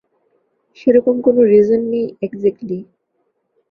সেরকম কোনো রিজন নেই এক্স্যাক্টলি।